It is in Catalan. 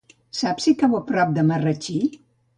Saps si cau a prop de Marratxí?